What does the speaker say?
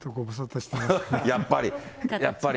やっぱり。